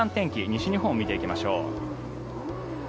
西日本を見ていきましょう。